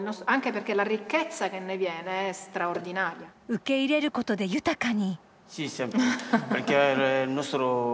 受け入れることで豊かに。